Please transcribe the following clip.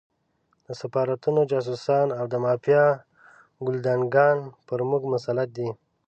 د سفارتونو جاسوسان او د مافیا ګُلډانګان پر موږ مسلط دي.